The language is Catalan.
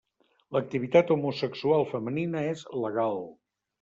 L'activitat homosexual femenina és legal.